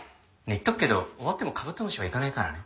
言っとくけど終わってもカブトムシは行かないからね。